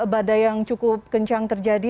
badai yang cukup kencang terjadi